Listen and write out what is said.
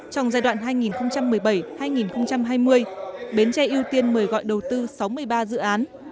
trong giai đoạn hai nghìn một mươi bảy hai nghìn hai mươi bến tre ưu tiên mời gọi đầu tư sáu mươi ba dự án